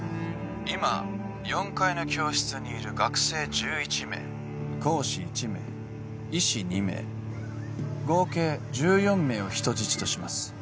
今４階の教室にいる学生１１名講師１名医師２名合計１４名を人質とします